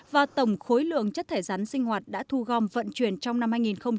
và tổng khối lượng chất thải rắn sinh hoạt đã thu gom vận chuyển trong năm hai nghìn một mươi chín